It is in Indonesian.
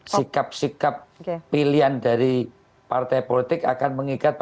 sikap sikap pilihan dari partai politik akan mengikat